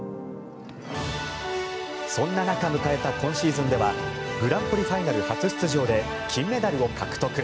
そんな中、迎えた今シーズンではグランプリファイナル初出場で金メダルを獲得。